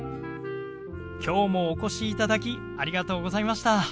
今日もお越しいただきありがとうございました。